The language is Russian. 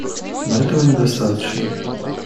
Но этого недостаточно.